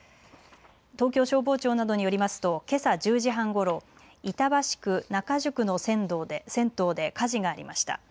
東京消防庁などによりますとけさ１０時半ごろ、板橋区仲宿の銭湯で火事がありました。